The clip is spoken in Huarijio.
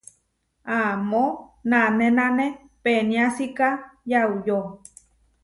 Amó nanénane peniásika yauyó.